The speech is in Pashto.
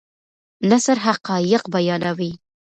نثر حقایق بیانوي.